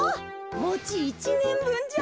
もち１ねんぶんじゃ。